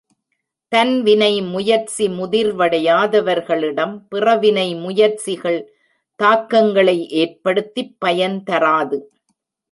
தன்வினை முயற்சி முதிர்வடையாதவர்களிடம் பிறவினை முயற்சிகள் தாக்கங்களை ஏற்படுத்திப் பயன்தராது.